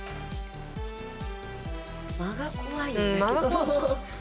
間が怖い。